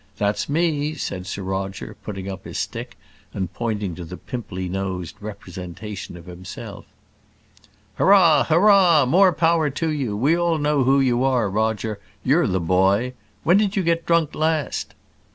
"That's me," said Sir Roger, putting up his stick, and pointing to the pimply nosed representation of himself. "Hurrah! Hur r rah! more power to you we all know who you are, Roger. You're the boy! When did you get drunk last?"